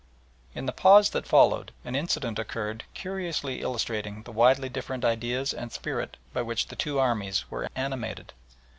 In the pause that followed an incident occurred curiously illustrating the widely different ideas and spirit by which the two armies were animated.